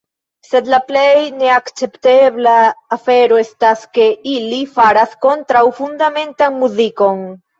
Sed la plej neakceptebla afero estas ke ili faras kontraŭfundamentan muzikon.